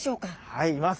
はいいます。